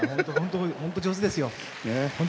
本当、上手ですよ。